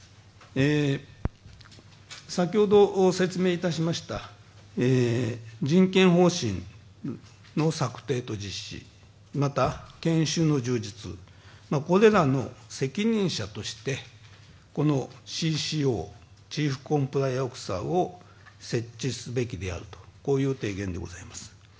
先ほど、説明いたしました人権方針の策定と実施また、研修の充実、これらの責任者としてこのＣＣＯ、チーフコンプライアンスオフィサーを設置すべきであると、こういう提言でございます。